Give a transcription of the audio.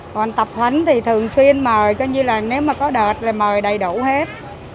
còn tập thánh thì thường xuyên mời nếu có đợt thì mời đầy đủ hết